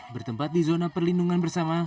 bertempat di zona perlindungan bersama